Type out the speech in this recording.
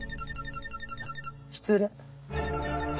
失礼。